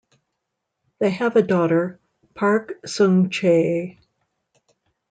They have a daughter, Park Seung-chae.